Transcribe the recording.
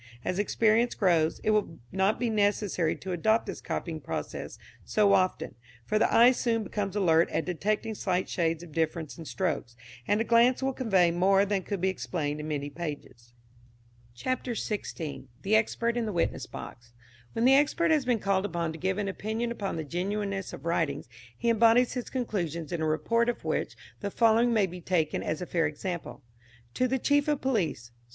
As experience grows, it will not be necessary to adopt this copying process so often, for the eye soon becomes alert at detecting slight shades of difference in strokes, and a glance will convey more than could be explained in many pages. CHAPTER XVI. THE EXPERT IN THE WITNESS BOX. When the expert has been called upon to give an opinion upon the genuineness of writings he embodies his conclusions in a report of which the following may be taken as a fair example: To the Chief of Police.